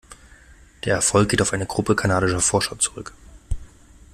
Der Erfolg geht auf eine Gruppe kanadischer Forscher zurück.